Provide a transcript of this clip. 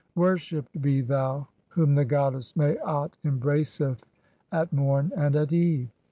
Worshipped be thou whom the goddess Maat "embraceth at morn and at eve.